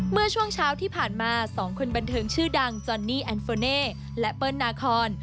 เมื่อช่วงเช้าที่ผ่านมา๒คนบันเทิงชื่อดังจอนนี่แอนโฟเน่และเปิ้ลนาคอน